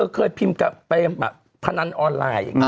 เคยพิมพ์ไปแบบพนันออนไลน์